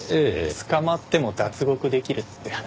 捕まっても脱獄できるって話です。